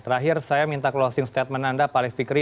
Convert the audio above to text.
terakhir saya minta closing statement anda pak alif fikri